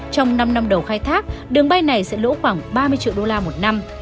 trong năm năm đầu khai thác đường bay này sẽ lỗ khoảng ba mươi triệu đô la một năm